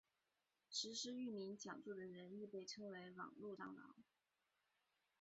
实施域名抢注的人亦被称为网路蟑螂。